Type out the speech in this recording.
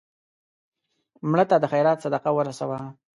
مړه ته د خیرات صدقه ورسوه